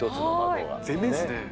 全面ですね。